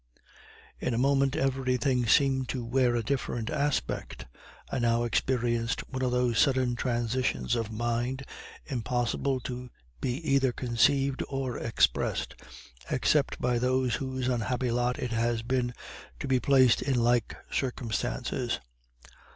In a moment every thing seemed to wear a different aspect. I now experienced one of those sudden transitions of mind impossible to be either conceived or expressed, except by those whose unhappy lot it has been, to be placed in like circumstances.